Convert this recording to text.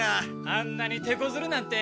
あんなにてこずるなんて。